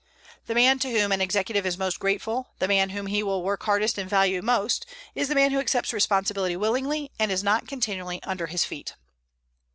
The man to whom an executive is most grateful, the man whom he will work hardest and value most, is the man who accepts responsibility willingly, and is not continually under his feet.